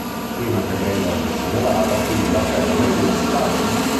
Prima che Beverly se ne vada, Bill la ferma e i due si baciano.